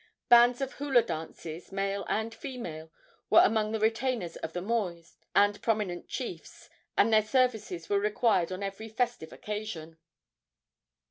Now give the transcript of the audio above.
Bands of hula dancers, male and female, were among the retainers of the mois and prominent chiefs, and their services were required on every festive occasion.